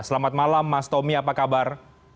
selamat malam mas tommy apa kabar